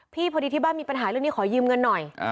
พอดีที่บ้านมีปัญหาเรื่องนี้ขอยืมเงินหน่อย